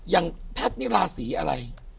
อย่างแพทย์นี่ราศีอะไร